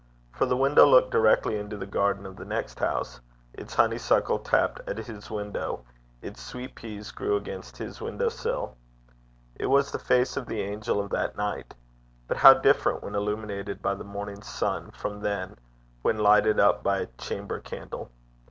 For the window looked directly into the garden of the next house: its honeysuckle tapped at his window, its sweet peas grew against his window sill. It was the face of the angel of that night; but how different when illuminated by the morning sun from then, when lighted up by a chamber candle!